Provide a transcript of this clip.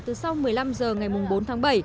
từ sau một mươi năm h ngày bốn tháng bảy